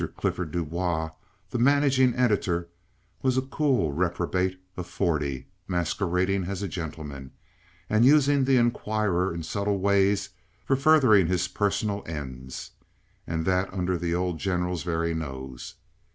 Clifford Du Bois, the managing editor, was a cool reprobate of forty, masquerading as a gentleman, and using the Inquirer in subtle ways for furthering his personal ends, and that under the old General's very nose.